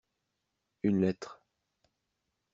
Une lettre.